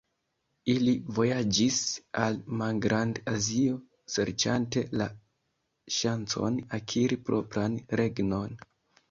Ili vojaĝis al Malgrand-Azio, serĉante la ŝancon akiri propran regnon.